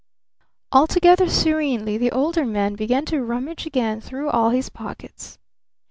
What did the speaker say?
Altogether serenely the Older Man began to rummage again through all his pockets.